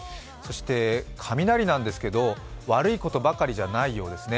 雷ですが、悪いことばかりじゃないようですね。